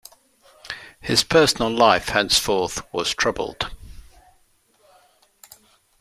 His personal life henceforth was troubled.